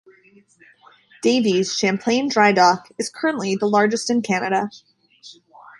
Davie's Champlain dry dock is currently the largest in Canada.